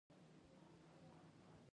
ګولۍ له ډوډۍ سره يو ځای له ستونې تېره شوه.